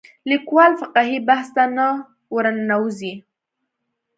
لیکوال فقهي بحث ته نه ورننوځي